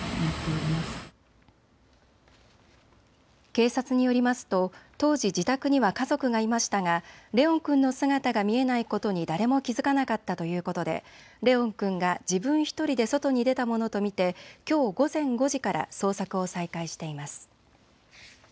警察によりますと当時、自宅には家族がいましたが怜音君の姿が見えないことに誰も気付かなかったということで怜音君が自分１人で外に出たものと見てきょう午前５時から捜索を再開しています。